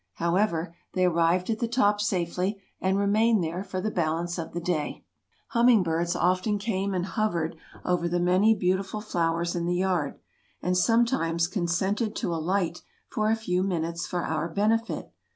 However, they arrived at the top safely and remained there for the balance of the day. Humming birds often came and hovered over the many beautiful flowers in the yard, and sometimes consented to alight for a few minutes for our benefit.